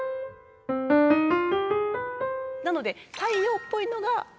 なので太陽っぽいのが。